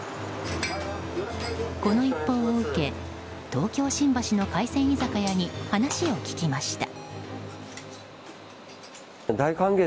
この一報を受け東京・新橋の海鮮居酒屋に話を聞きました。